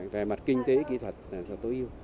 về mặt kinh tế kỹ thuật tối ưu